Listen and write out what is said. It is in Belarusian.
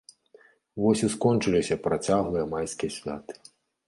Вось і скончыліся працяглыя майскія святы.